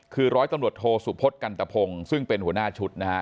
คือร้อยตำรวจโทสุพศกันตะพงศ์ซึ่งเป็นหัวหน้าชุดนะฮะ